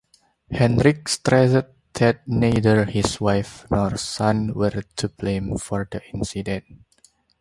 Henrik stressed that neither his wife nor son were to blame for the incident.